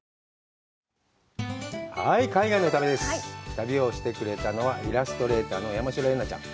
旅をしてくれたのはイラストレーターの山代エンナちゃん。